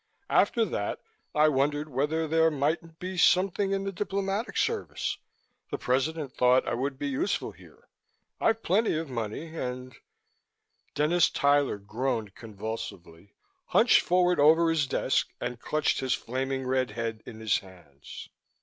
After that, I wondered whether there mightn't be something in the diplomatic service. The President thought I would be useful here. I've plenty of money and " Dennis Tyler groaned convulsively, hunched forward over his desk and clutched his flaming red head in his hands.